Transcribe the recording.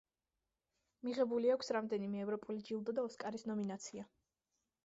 მიღებული აქვს რამდენიმე ევროპული ჯილდო და ოსკარის ნომინაცია.